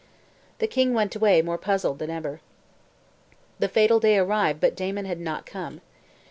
The king went away more puzzled than ever. The fatal day arrived but Damon had not come.